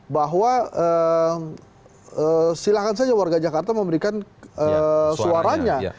bahwa silakan saja warga jakarta memberikan suaranya